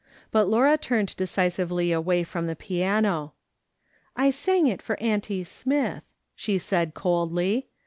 But Laura turned decisively away from the piano. " I sang it for auntie Smith," she said, coldly.